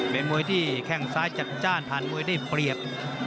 เป็นมวยที่แข้งซ้ายจัดจ้านผ่านมวยได้เปรียบ